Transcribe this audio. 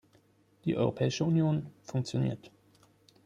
Die Europäische Union funktioniert.